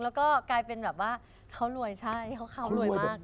แล้วก็กลายเป็นแบบว่าเขารวยใช่เขารวยมาก